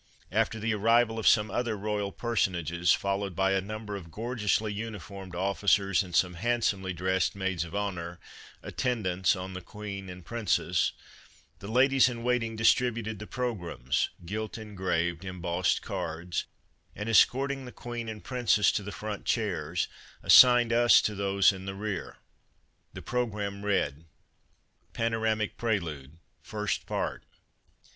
After the arrival of some other royal personages, followed by a number of gorgeously uniformed officers and some handsomely dressed maids of honor, attendants on the Queen and Princess, the ladies in waiting distributed the programmes, gilt engraved, embossed cards, and escorting the 6 1 i\ Royal Christmas Tree Queen and Princess to the front chairs, assigned us to those in the rear. The programme read : PANORAMIC PRELUDE. FIRST PART.